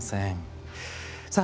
さあ